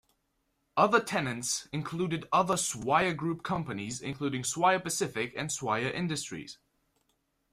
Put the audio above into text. Other tenants included other Swire group companies, including Swire Pacific and Swire Industries.